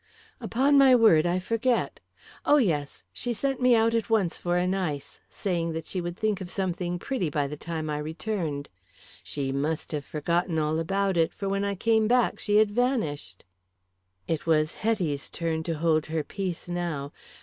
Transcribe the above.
"Upon my word I forget. Oh, yes. She sent me at once for an ice, saying that she would think of something pretty by the time I returned. She must have forgotten all about it, for when I got back she had vanished." It was Hetty's turn to hold her peace now.